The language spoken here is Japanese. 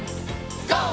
ＧＯ！